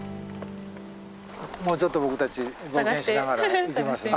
もうちょっと僕たち冒険しながら行きますので。